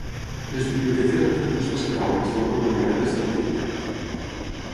Les biblioteques han fet ús dels catàlegs, d'alguna manera, des de l'antiguitat.